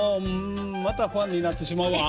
またファンになってしまうわ。